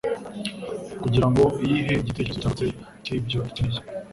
kugira ngo iyihe igitekerezo cyagutse cy'ibyo ikeneye